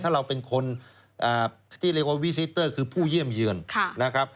ถ้าเราเป็นคนที่เรียกว่าวิซิเตอร์คือผู้เยี่ยมเยือนนะครับ